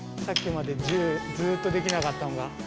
さっきまで１０ずっとできなかったのが。